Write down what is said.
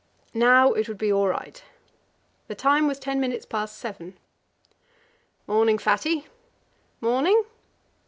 Now it would be all right the time was ten minutes past seven. "'Morning, Fatty!" "'Morning."